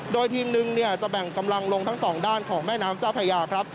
โดยทีมหนึ่งจะแบ่งกำลังลงทั้งสองด้านของแม่น้ำเจ้าพญาครับ